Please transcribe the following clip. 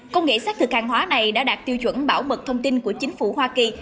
công nghệ xác thực hàng hóa này đã đạt tiêu chuẩn bảo mật thông tin của chính phủ hoa kỳ